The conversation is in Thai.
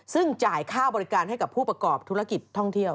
ซึ่งจ่ายค่าบริการให้กับผู้ประกอบธุรกิจท่องเที่ยว